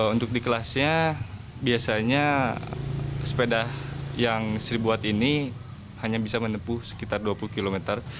untuk di kelasnya biasanya sepeda yang seribu buat ini hanya bisa menempuh sekitar dua puluh kilometer